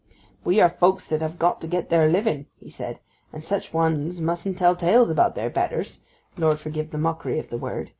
'We are folk that have got to get their living,' he said, 'and such ones mustn't tell tales about their betters,—Lord forgive the mockery of the word!